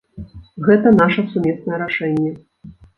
Гэта наша сумеснае рашэнне.